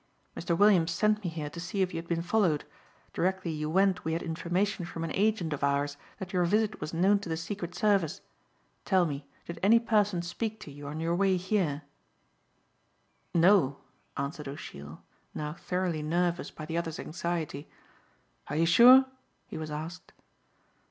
"Mr. Williams sent me here to see if you had been followed. Directly you went we had information from an agent of ours that your visit was known to the Secret Service. Tell me, did any person speak to you on your way here?" "No," answered O'Sheill, now thoroughly nervous by the other's anxiety. "Are you sure?" he was asked.